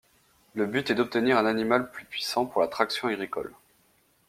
Le but est d'obtenir un animal plus puissant pour la traction agricole.